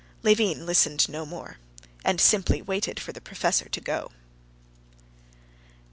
Levin listened no more, and simply waited for the professor to go.